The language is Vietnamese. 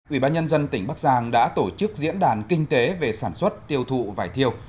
ủy ban nhân dân tỉnh bắc giang đã tổ chức diễn đàn kinh tế về sản xuất tiêu thụ vải thiều